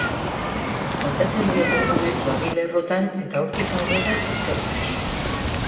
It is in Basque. Kontatzen diot argumentua bi lerrotan eta hortik aurrera, ezer gutxi.